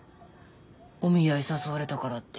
お見合い誘われたからって。